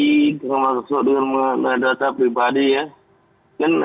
termasuk dengan data pribadi ya